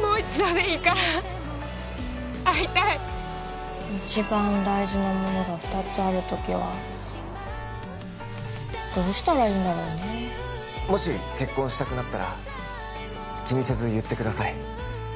もう一度でいいから会いたい一番大事なものが二つある時はどうしたらいいんだろうねもし結婚したくなったら気にせず言ってください